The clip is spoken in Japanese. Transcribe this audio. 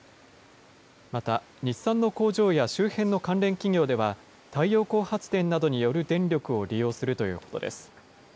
また、日産の工場や周辺の関連企業では、太陽光発電などによる電力を利用するということです。